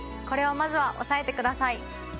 これをまずは押さえてください。